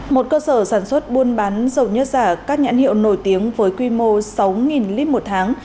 một cơ sở sản xuất buôn bán dầu nhất giả các nhãn hiệu nổi tiếng với quy mô sáu lít một tháng